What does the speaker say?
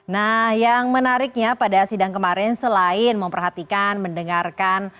nah yang menariknya pada sidang kemarin selain memperhatikan mendengarkan